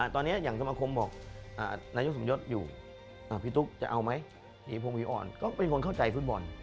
ตอนนี้นายกสมยศอยู่พี่ตุ๊กจะเอาไหมก็เป็นคนเข้าใจภาพมัน